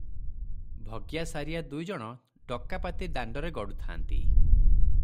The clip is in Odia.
ଭଗିଆ, ସାରିଆ ଦୁଇଜଣ ଡକାପାତି ଦାଣ୍ତରେ ଗଡୁଥାନ୍ତି ।